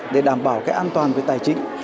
để đảm bảo an toàn với tài chính